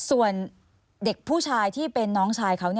ส่วนเด็กผู้ชายที่เป็นน้องชายเขา